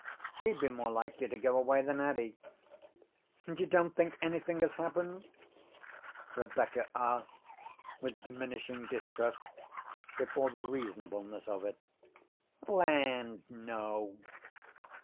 She'd be more likely to go away than Addie." "And you don't think anything has happened?" Rebecca asked with diminishing distrust before the reasonableness of it. "Land, no!"